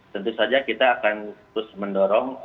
tentu saja kita akan terus mendorong